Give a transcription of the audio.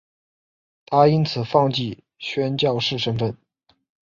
她因此放弃宣教士身分。